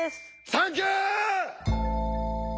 サンキュー！